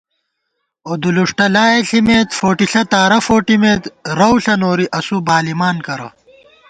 اُدُلُݭٹہ لائے ݪِمېت ، فوٹِݪہ تارہ فوٹِمېت، رَؤ ݪہ نوری اسُو بالِمان کرہ